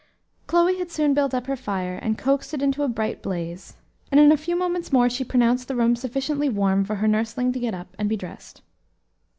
Chloe had soon built up her fire and coaxed it into a bright blaze, and in a few moments more she pronounced the room sufficiently warm for her nursling to get up and be dressed.